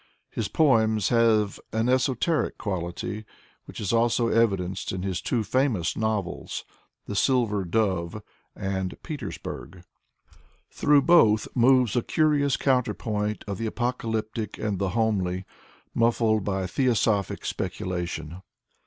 His poems have an esoteric quality which is also evidenced in his two famous novels, "The Silver Dove" and "Petersburg." Through both moves a curious counterpoint of the apocalyptic and the homely, muffled by theosophic speculation.